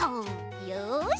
よし。